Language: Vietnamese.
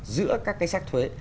giữa các cái sách thuế